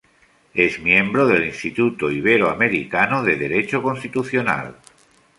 Es miembro del Instituto Iberoamericano de Derecho Constitucional.